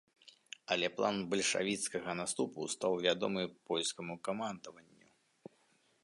Але план бальшавіцкага наступу стаў вядомы польскаму камандаванню.